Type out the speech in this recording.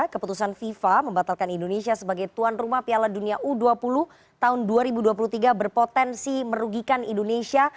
keputusan fifa membatalkan indonesia sebagai tuan rumah piala dunia u dua puluh tahun dua ribu dua puluh tiga berpotensi merugikan indonesia